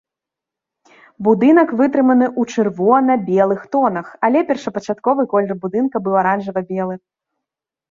Будынак вытрыманы ў чырвона-белых тонах, але першапачаткова колер будынка быў аранжава-белы.